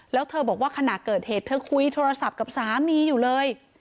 แล้วเธอบอกว่าขณะเกิดเหตุเธอคุยโทรศัพท์กับสามีอยู่เลย